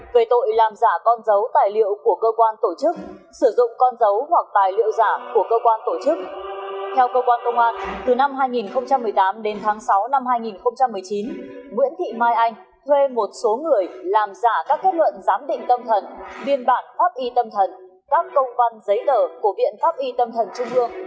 bệnh viện tâm thần biên bản pháp y tâm thần các công văn giấy đở của viện pháp y tâm thần trung ương